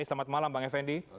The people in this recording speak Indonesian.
selamat malam bang effendi